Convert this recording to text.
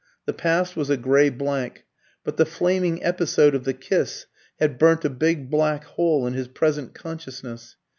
The past was a grey blank, but the flaming episode of the kiss had burnt a big black hole in his present consciousness.